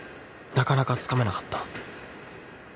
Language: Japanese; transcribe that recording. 「なかなかつかめなかった」